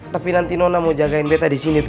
tapi nanti nona mau jagain beta disini